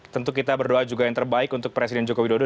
tentu kita berdoa juga yang terbaik untuk presiden joko widodo